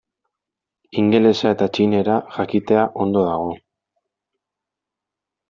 Ingelesa eta txinera jakitea ondo dago.